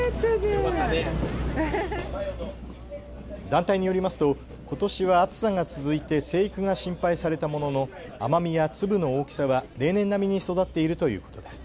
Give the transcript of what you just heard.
団体によりますとことしは暑さが続いて生育が心配されたものの、甘みや粒の大きさは例年並みに育っているということです。